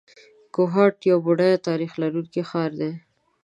کوهاټ یو بډایه تاریخ لرونکی ښار دی.